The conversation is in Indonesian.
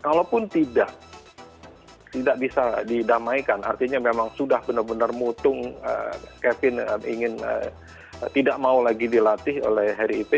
kalaupun tidak tidak bisa didamaikan artinya memang sudah benar benar mutung kevin ingin tidak mau lagi dilatih oleh harry ipe